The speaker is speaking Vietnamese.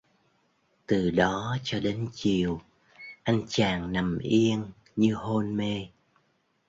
Từ đó cho đến chiều anh chàng nằm yên như hôn mê